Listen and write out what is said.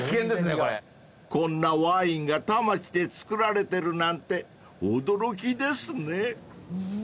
［こんなワインが田町で造られてるなんて驚きですね］